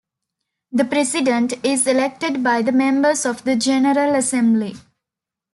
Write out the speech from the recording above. The President is elected by the members of the General Assembly.